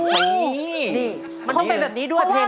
นี่มันต้องเป็นแบบนี้ด้วยเพลง